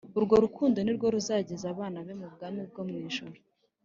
Urwo rukundo nirwo ruzageza abana be mu bwami bwo mu ijuru